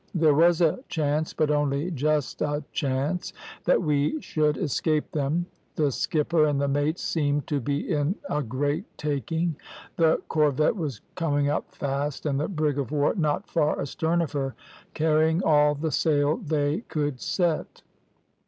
There was a chance, but only just a chance, that we should escape them. The skipper and the mates seemed to be in a great taking. The corvette was coming up fast, and the brig of war not far astern of her, carrying all the sail they could set.